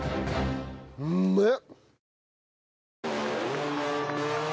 うめえ！